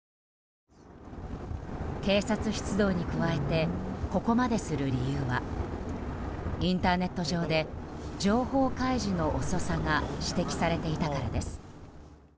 警察出動に加えてここまでする理由はインターネット上で情報開示の遅さが指摘されていたからです。